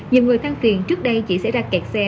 nhiều người thăng phiền trước đây chỉ sẽ ra kẹt xe